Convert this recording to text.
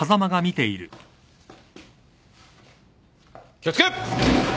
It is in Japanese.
気を付け！